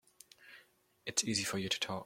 It's easy for you to talk.